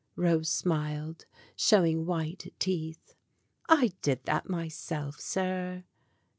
Rose smiled, showing white teeth. "I did that my self, sir."